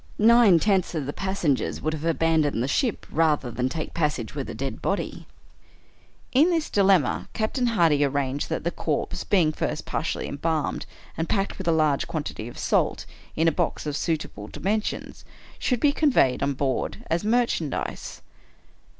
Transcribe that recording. Nine tenths of the passen gers would have abandoned the ship rather than take pas sage with a dead body. In this dilemma, Captain Hardy arranged that the corpse, being first partially embalmed, and packed, with a large quantity of salt, in a box of suitable dimensions, should be conveyed on board as merchandise.